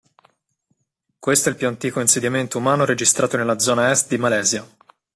Questo è il più antico insediamento umano registrato nella zona est di Malesia.